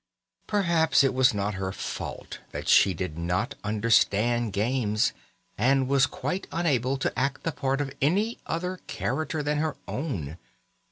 Perhaps it was not her fault that she did not understand games, and was quite unable to act the part of any other character than her own.